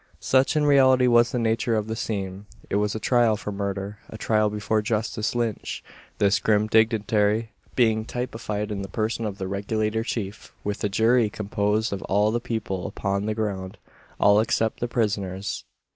Such in reality was the nature of the scene. It was a trial for Murder a trial before Justice Lynch this grim dignitary being typified in the person of the Regulator Chief with a jury composed of all the people upon the ground all except the prisoners.